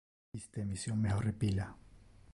Iste emission me horripila.